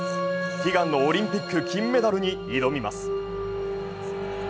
悲願のオリンピック金メダルに挑みます。